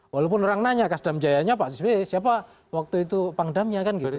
walaupun orang nanya kas damjaya nya pak sbe siapa waktu itu pangdamnya kan gitu